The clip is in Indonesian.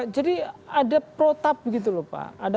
jadi ada protab gitu loh pak